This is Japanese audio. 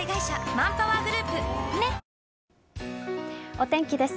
お天気です。